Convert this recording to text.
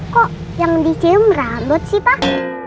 kok yang di cium ralut sih pak